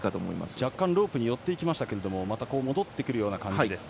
若干ロープに寄っていきましたがまた戻ってくるような感じです。